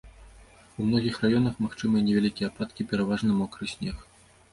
У многіх раёнах магчымыя невялікія ападкі, пераважна мокры снег.